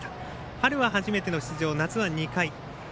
春は初めての出場、夏は２回。